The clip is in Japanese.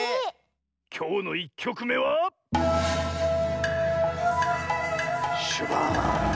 きょうの１きょくめはシュバーン。